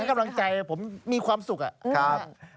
กำลังใจผมมีความสุขอะครับ